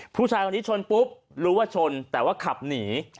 ผู้ชายคนนี้ชนปุ๊บรู้ว่าชนแต่ว่าขับหนี